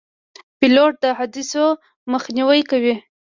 پیلوټ د حادثو مخنیوی کوي.